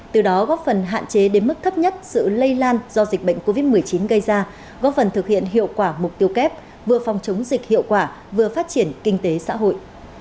từ đó góp phần hạn chế đến mức thấp nhất sự lây lan do dịch bệnh covid một mươi chín gây ra góp phần thực hiện hiệu quả mục tiêu kép vừa phòng chống dịch hiệu quả vừa phát triển kinh tế xã hội